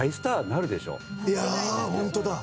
いやあホントだ。